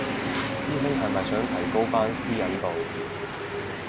師兄係咪想提高返私隱度